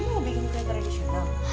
mau bikin kue tradisional